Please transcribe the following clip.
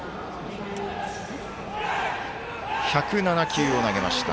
１０７球を投げました。